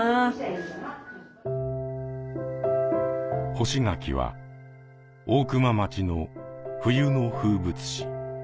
干し柿は大熊町の冬の風物詩。